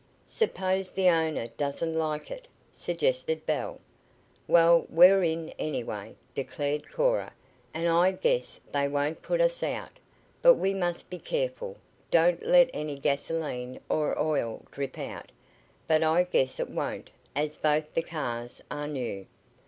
"Suppose the owner doesn't like it?" suggested Belle. "Well, we're in, anyway," declared Cora, "and I guess they won't put us out. But we must be careful. Don't let any gasolene or oil drip out. But I guess it won't, as both the cars are new."